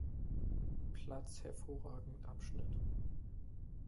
Platz hervorragend abschnitt.